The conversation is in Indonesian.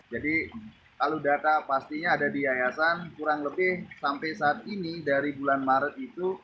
jadi kalau data pastinya ada di yayasan kurang lebih sampai saat ini dari bulan maret itu